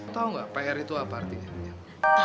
tau gak pr itu apa artinya